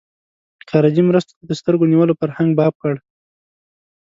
خارجي مرستو ته د سترګو نیولو فرهنګ باب کړ.